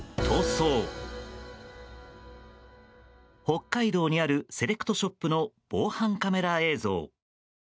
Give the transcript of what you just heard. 北海道にあるセレクトショップの防犯カメラ映像。